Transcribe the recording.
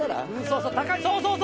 そうそう！